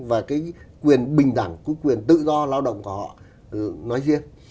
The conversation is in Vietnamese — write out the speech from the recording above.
và cái quyền bình đẳng có quyền tự do lao động của họ nói riêng